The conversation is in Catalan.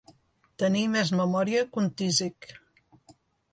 Tenir més memòria que un tísic.